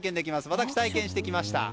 私、体験してきました。